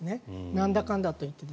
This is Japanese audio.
なんだかんだと言って。